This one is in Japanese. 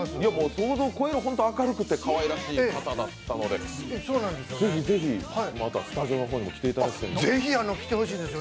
想像を超える、明るくてかわいらしい方だったのでぜひぜひ、またスタジオの方にも来てほしいです。